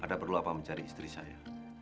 ada perlu apa mencari istri saya